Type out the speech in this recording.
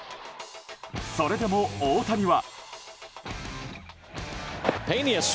それでも、大谷は。